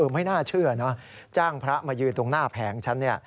ไม่น่าเชื่อนะจ้างพระมายืนตรงหน้าแผงฉัน